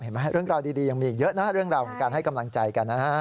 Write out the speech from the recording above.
เรื่องราวดียังมีอีกเยอะนะเรื่องราวของการให้กำลังใจกันนะฮะ